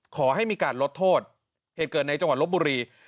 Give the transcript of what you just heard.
ขอให้มีการลดโทษเหตุเกิดในจังหวัดลบบุรี